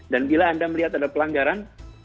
dan bila anda melihat ada pelanggaran